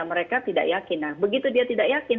mereka tidak yakin nah begitu dia tidak yakin